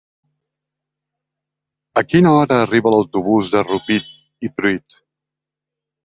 A quina hora arriba l'autobús de Rupit i Pruit?